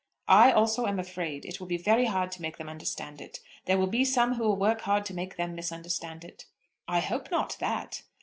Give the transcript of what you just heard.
"I also am afraid. It will be very hard to make them understand it. There will be some who will work hard to make them misunderstand it." "I hope not that."